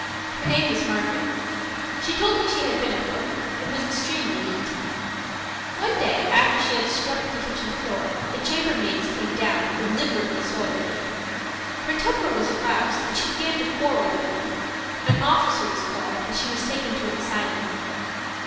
Her name was Margaret. She told me she had been a cook, and was extremely neat. One day, after she had scrubbed the kitchen floor, the chambermaids came down and deliberately soiled it. Her temper was aroused and she began to quarrel with them; an officer was called and she was taken to an asylum.